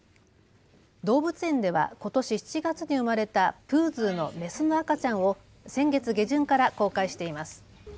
動物園ではことし７月に生まれたプーズーのメスの赤ちゃんを先月下旬から公開しています。